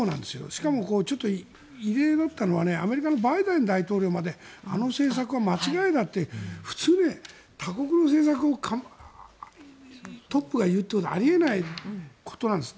しかも、ちょっと異例だったのはアメリカのバイデン大統領まであの政策は間違いだって普通、他国の政策をトップが言うというのはあり得ないことなんです。